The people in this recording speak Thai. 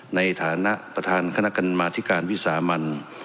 ในฐานะประธานคณะกรรมาธิการวิสามัน